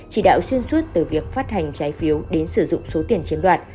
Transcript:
chỉ đạo xuyên suốt từ việc phát hành trái phiếu đến sử dụng số tiền chiếm đoạt